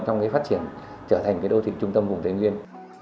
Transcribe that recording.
trong phát triển trở thành đô thị trung tâm vùng tây nguyên